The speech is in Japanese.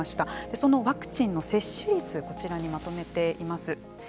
そのワクチンの接種率をこちらにまとめています。